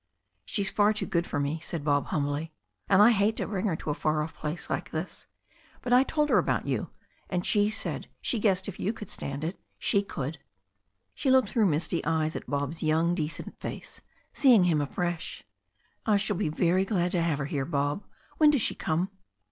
"She's far too good for me," said Bob humbly. "And I hate to bring her to a far off place like this. But I told her about you. And she said she guessed if you could stand it she could." She looked through misty eyes at Bob's young decent face, seeing him afresh. "I shall be very glad to have her here, Bob. When does she come?"